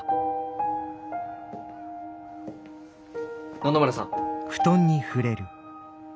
野々村さん。